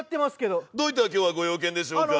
どういった今日はご用件でしょうか？